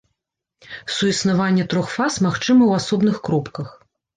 Суіснаванне трох фаз магчыма ў асобных кропках.